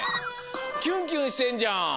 キュンキュンしてんじゃん。